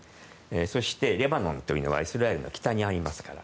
そして、レバノンというのはイスラエルの北にありますから。